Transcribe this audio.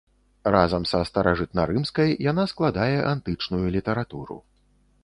Разам са старажытнарымскай яна складае антычную літаратуру.